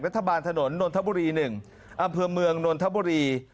ถนนนนทบุรี๑อำเภอเมืองนนทบุรี